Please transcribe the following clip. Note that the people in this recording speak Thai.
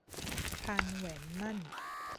พานแหวนหมั้น